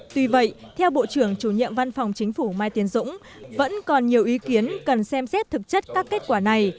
tuy vậy theo bộ trưởng chủ nhiệm văn phòng chính phủ mai tiến dũng vẫn còn nhiều ý kiến cần xem xét thực chất các kết quả này